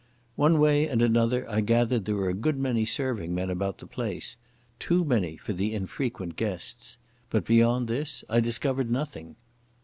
One way and another I gathered there were a good many serving men about the place—too many for the infrequent guests. But beyond this I discovered nothing.